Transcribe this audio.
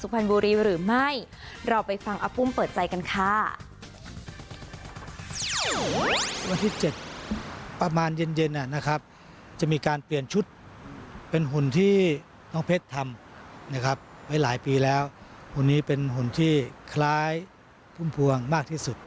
ประมาณเย็นนะครับจะมีการเปลี่ยนชุดเป็นหุ่นที่น้องเพชรทำนะครับไว้หลายปีแล้วหุ่นนี้เป็นหุ่นที่คล้ายพุ่มพวงมากที่สุด